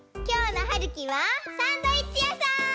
きょうのはるきはサンドイッチやさん！